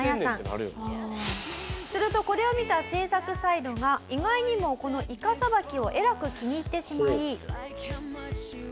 するとこれを見た制作サイドが意外にもこのいか捌きをえらく気に入ってしまい。